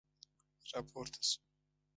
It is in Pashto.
را پورته شو.